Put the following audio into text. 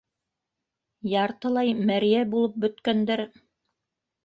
Яртылай мәрйә булып бөткәндәр.